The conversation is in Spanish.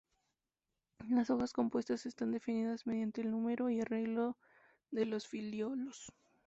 Las hojas compuestas están definidas mediante el número y arreglo de los folíolos.